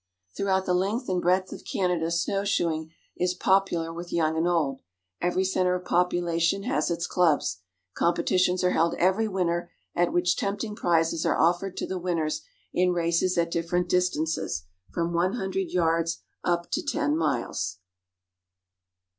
Throughout the length and breadth of Canada snow shoeing is popular with young and old. Every centre of population has its clubs. Competitions are held every winter, at which tempting prizes are offered to the winners in races at different distances, from one hundred yards up to ten miles.